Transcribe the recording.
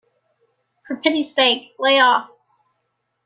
For pity's sake, lay off.